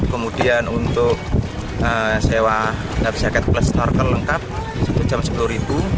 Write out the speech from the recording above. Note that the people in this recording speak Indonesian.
kemudian untuk sewa nabizaket plus snorkel lengkap satu jam sepuluh ribu